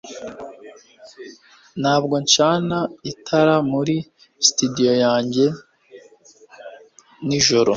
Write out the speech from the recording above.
ntabwo ncana itara muri studio yanjye nijoro